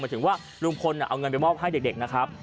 ถึงว่าลุงพลเอาเงินไปมอบให้เด็กนะครับ